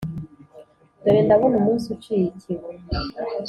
dore ndabona umunsi uciye ikibu